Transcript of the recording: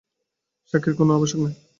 সাক্ষীর কোনো আবশ্যক হইল না।